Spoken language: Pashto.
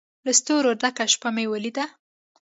له ستورو ډکه شپه مې ولیده